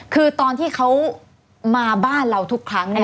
คือตอนที่เขามาบ้านเราทุกครั้ง